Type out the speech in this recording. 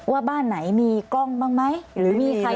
ว่าบ้านไหนมีกล้องบ้างมั้ยหรือว่าไม่มีครับ